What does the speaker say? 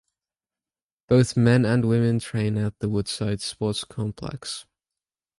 Both men and women train at the Woodside Sports Complex.